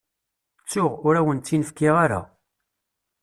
Ttuɣ, ur awent-tt-in-fkiɣ ara.